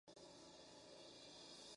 Fue la primera institución fundada en Japón.